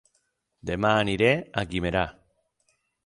Dema aniré a Guimerà